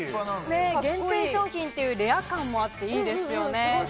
限定商品というレア感もあっていいですよね。